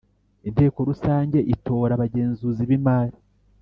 Inteko Rusange itora abagenzuzi b imari